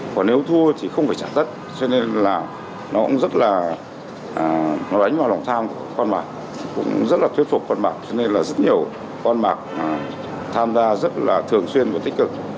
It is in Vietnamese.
còn nếu thua thì không phải trả đất cho nên là nó cũng rất là nó đánh vào lòng tham con bạc cũng rất là thuyết phục con bạc cho nên là rất nhiều con bạc tham gia rất là thường xuyên và tích cực